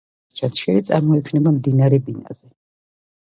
ჩანჩქერი წარმოიქმნება მდინარე ბინაზე.